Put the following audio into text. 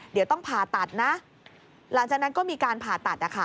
เดี๋ยวต้องผ่าตัดนะหลังจากนั้นก็มีการผ่าตัด